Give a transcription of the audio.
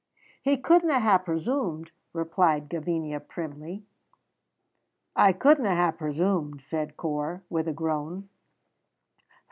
"He couldna hae presumed," replied Gavinia, primly. "I couldna hae presumed," said Corp, with a groan.